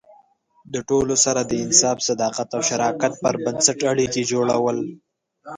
د ټولو سره د انصاف، صداقت او شراکت پر بنسټ اړیکې جوړول.